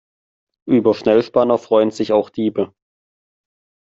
Über Schnellspanner freuen sich auch Diebe.